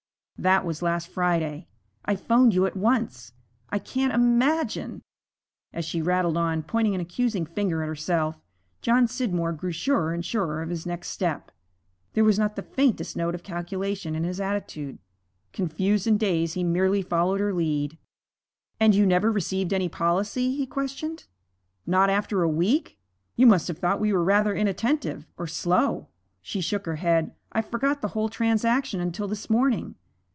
That was last Friday. I 'phoned you at once. I can't imagine ' As she rattled on, pointing an accusing finger at herself, John Scidmore grew surer and surer of his next step. There was not the faintest note of calculation in his attitude; confused and dazed he merely followed her lead. 'And you never received any policy?' he questioned. 'Not after a week? You must have thought we were rather inattentive or slow.' She shook her head. 'I forgot the whole transaction until this morning.